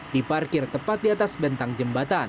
diparkir tepat di atas bentang jembatan